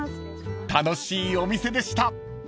［楽しいお店でした］